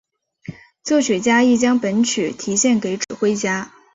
作曲家亦将本曲题献给指挥家。